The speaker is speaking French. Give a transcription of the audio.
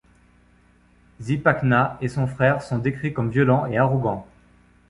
Zipacna et son frère sont décrits comme violents et arrogants.